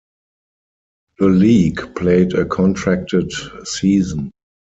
The league played a contracted season.